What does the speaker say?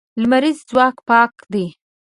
لمریز ځواک پاک دی.